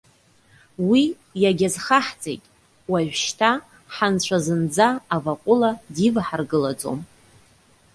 Уи иагьазхаҳҵеит. Уажәшьҭа ҳанцәа зынӡа аваҟәыла диваҳаргылаӡом.